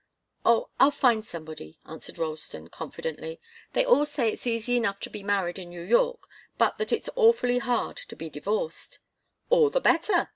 "Oh I'll find somebody," answered Ralston, confidently. "They all say it's easy enough to be married in New York, but that it's awfully hard to be divorced." "All the better!"